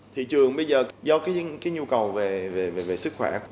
thị trường bây giờ do cái nhu cầu về sức khỏe